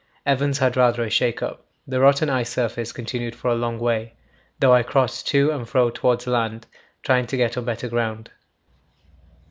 Evans had rather a shake up. The rotten ice surface continued for a long way, though I crossed to and fro towards the land, trying to get on better ground.